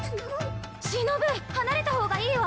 しのぶ離れた方がいいわ。